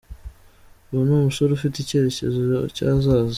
Ubu ni umusore ufite icyerecyezo cy’ahazaza.